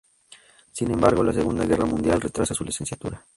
Sin embargo, la Segunda Guerra Mundial retrasa su licenciatura.